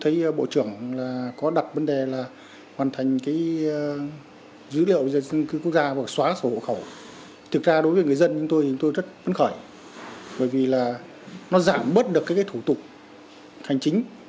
thực ra đối với người dân chúng tôi rất phấn khởi bởi vì nó giảm bớt được các thủ tục hành chính